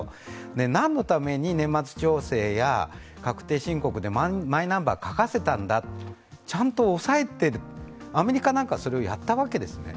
何のために年末調整や確定申告でマイナンバーを書かせたんだちゃんとアメリカなんかはそれをやったわけですね。